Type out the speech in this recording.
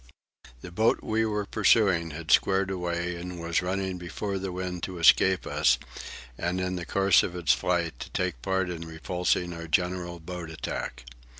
The boat we were pursuing had squared away and was running before the wind to escape us, and, in the course of its flight, to take part in repulsing our general boat attack.